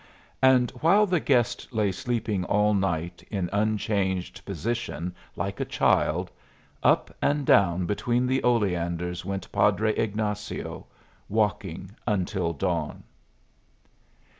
And while the guest lay sleeping all night in unchanged position like a child, up and down between the oleanders went Padre Ignazio, walking until dawn.